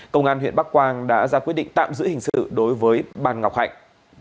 công an huyện bắc quang đã ra quyết định tạm giữ hình sự đối với ban ngọc hạnh